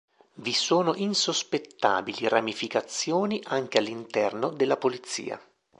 Vi sono insospettabili ramificazioni anche all'interno della Polizia.